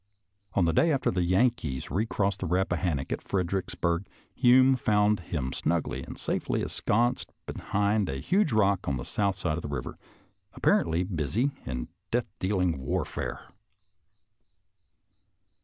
On the day after the Yankees recrossed the Eappahannock at Fredericksburg, Hume found him snugly and safely ensconced behind a huge rock on the south side of the river, appar ently busy in death dealing warfare.